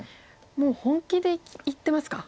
もう本気でいってますか。